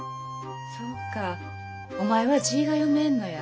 そうかお前は字が読めんのや。